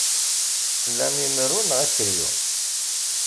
Tlam imru neɣ akeryun?